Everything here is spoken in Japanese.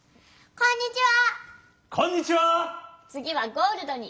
こんにちは。